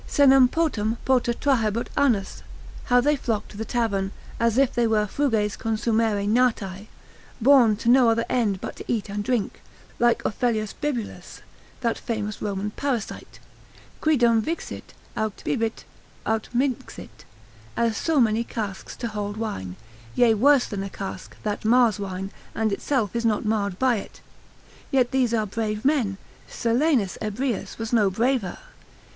Senem potum pota trahebat anus, how they flock to the tavern: as if they were fruges consumere nati, born to no other end but to eat and drink, like Offellius Bibulus, that famous Roman parasite, Qui dum vixit, aut bibit aut minxit; as so many casks to hold wine, yea worse than a cask, that mars wine, and itself is not marred by it, yet these are brave men, Silenus Ebrius was no braver.